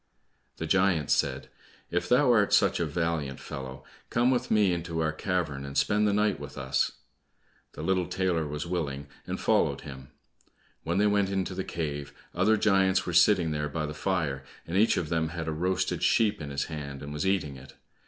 The giant said, "If thou art such a valiant fellow, come with me into our cavern and spend the night with us." The little tailor was willing, and followed him. When they went into the cave, other giants were sitting there by the fire, and each of them had a roasted sheep in his hand and was eating it.